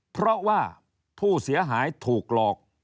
เพราะว่าผู้เสียหายถูกหลอก